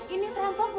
ini perempuan maling